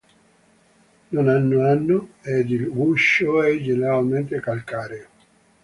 Non hanno ano ed il guscio è generalmente calcareo.